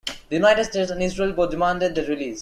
The United States and Israel both demanded their release.